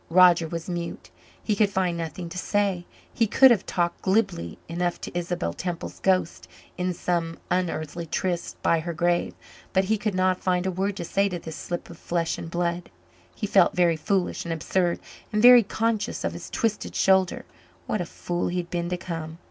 Roger was mute; he could find nothing to say. He could have talked glibly enough to Isabel Temple's ghost in some unearthly tryst by her grave, but he could not find a word to say to this slip of flesh and blood. He felt very foolish and absurd, and very conscious of his twisted shoulder. What a fool he had been to come!